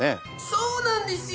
そうなんですよ！